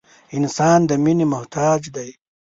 • انسان د مینې محتاج دی.